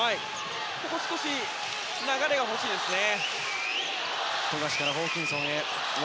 ここ少し流れが欲しいですね。